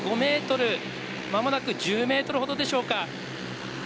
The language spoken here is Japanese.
５ｍまもなく１０ｍほどでしょうか。